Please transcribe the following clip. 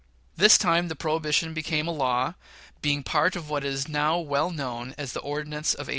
This time the prohibition became a law, being part of what is now well known as the Ordinance of '87.